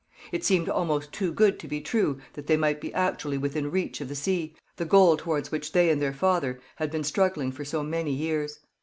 It seemed almost too good to be true that they might be actually within reach of the sea, the goal towards which they and their father had been struggling for so many years.